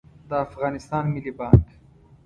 د افغانستان ملي بانګ